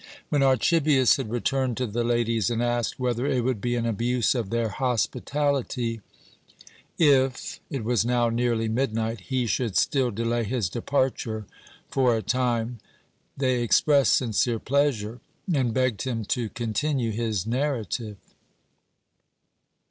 When Archibius had returned to the ladies and asked whether it would be an abuse of their hospitality, if it was now nearly midnight he should still delay his departure for a time, they expressed sincere pleasure, and begged him to continue his narrative.